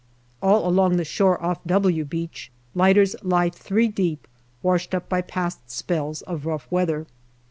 All along the shore off " W " Beach lighters lie three deep, washed up by past spells of rough weather.